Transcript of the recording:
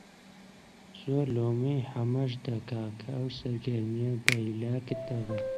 زۆر لۆمەی حەمەش دەکا کە ئەو سەرگەرمییە بە هیلاکت دەبا